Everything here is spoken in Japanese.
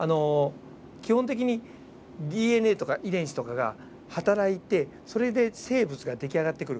基本的にＤＮＡとか遺伝子とかが働いてそれで生物が出来上がってくる。